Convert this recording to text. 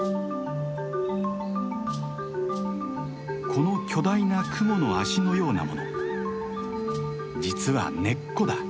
この巨大なクモの脚のようなもの実は根っこだ。